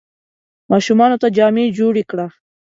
ماشومانو ته جامې جوړي کړه !